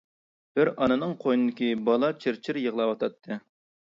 بىر ئانىنىڭ قوينىدىكى بالا چىر-چىر يىغلاۋاتاتتى.